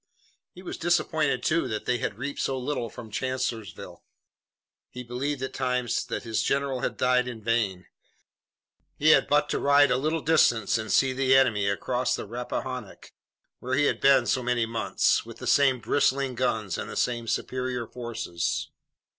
He was disappointed, too, that they had reaped so little from Chancellorsville. He believed at times that his general had died in vain. He had but to ride a little distance and see the enemy across the Rappahannock, where he had been so many months, with the same bristling guns and the same superior forces.